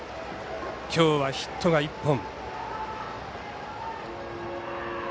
今日はヒットが１本。